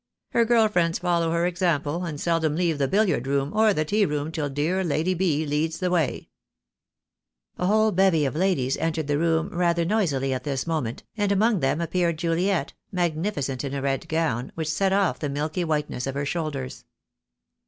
Her girl friends follow her example, and seldom leave the billiard room or the tea room till dear Lady B. leads the way." THE DAY WILL COME. I 1 A whole bevy of ladies entered the room rather noisily at this moment, and among them appeared Juliet, magnificent in a red gown, which set off the milky white ness of her shoulders.